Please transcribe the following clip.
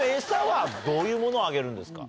どういうものをあげるんですか？